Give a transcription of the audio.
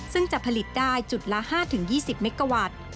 ซึ่งจะผลิตได้จุดละ๕๒๐เมกาวัตต์